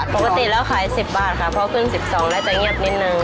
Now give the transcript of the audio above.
ปกติเราขาย๑๐บาทค่ะเพราะว่าขึ้น๑๒แล้วจะเงียบนิดนึง